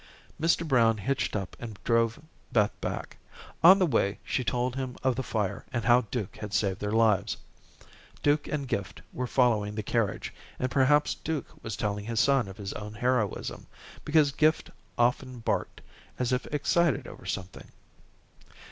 Mr. Brown hitched up and drove Beth back. On the way, she told him of the fire, and how Duke had saved their lives. Duke and Gift were following the carriage, and perhaps Duke was telling his son of his own heroism, because Gift often barked as if excited over something.